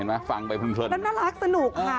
น่ารักสนุกค่ะ